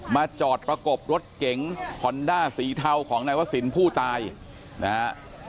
จอดประกบรถเก๋งฮอนด้าสีเทาของนายวศิลป์ผู้ตายนะฮะ